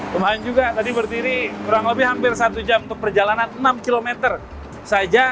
lumayan juga tadi berdiri kurang lebih hampir satu jam untuk perjalanan enam km saja